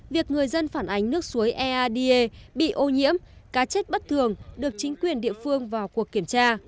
việc người dân phản ánh nước suối ead bị ô nhiễm cá chết bất thường được chính quyền địa phương vào cuộc kiểm tra